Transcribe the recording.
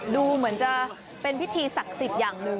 ดูเหมือนจะเป็นพิธีศักดิ์สิทธิ์อย่างหนึ่ง